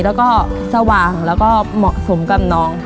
แล้วก็สว่างแล้วก็เหมาะสมกับน้องค่ะ